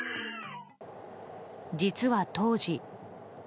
実は当時。